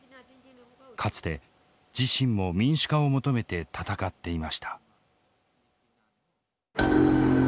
かつて自身も民主化を求めて闘っていました。